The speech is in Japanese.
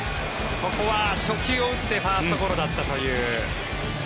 ここは初球を打ってファーストゴロだったという。